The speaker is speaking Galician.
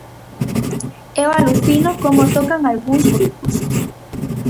Eu alucino como tocan algúns grupos.